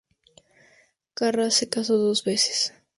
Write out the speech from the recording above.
Karras se casó dos veces.